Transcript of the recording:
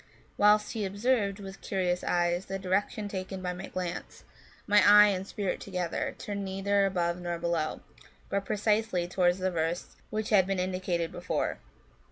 Whilst he observed, with curious eyes, the direction taken by my glance, my eye and spirit together turned neither above nor below, but precisely towards the verse which had been indicated before.